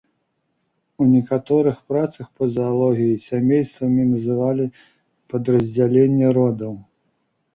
У некаторых працах па заалогіі сямействамі называлі падраздзялення родаў.